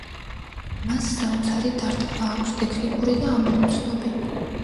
მას საოცარი დარტყმა აქვს, ტექნიკური და ამოუცნობი.